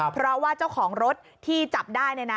เพราะว่าเจ้าของรถที่จับได้